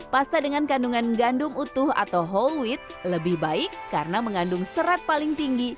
pasta dengan kandungan gandum utuh atau whole with lebih baik karena mengandung serat paling tinggi